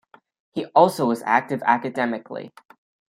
He also was active academically.